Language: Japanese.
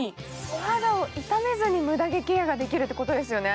お肌を痛めずに無駄毛ケアができるということですよね。